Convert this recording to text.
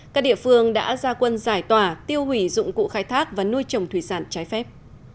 các địa phương đã ra quân giải tỏa tiêu hủy dụng cụ khai thác và nuôi trồng thủy sản trái phép